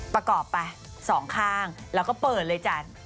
ประกอบไปสองข้างแล้วก็เปิดเลยจ้ะ